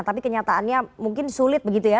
tapi kenyataannya mungkin sulit begitu ya